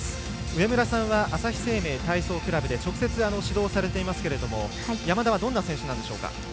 上村さんは朝日生命体操クラブで直接、指導をされていますけども山田はどんな選手なんでしょうか。